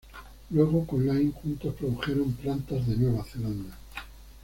Luego con Laing, juntos produjeron "Plantas de Nueva Zelanda.